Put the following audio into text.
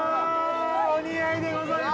◆お似合いでございます。